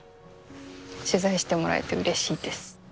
取材してもらえてうれしいです。